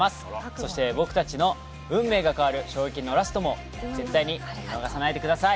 そして僕たちの運命が変わる衝撃のラストも絶対に見逃さないでください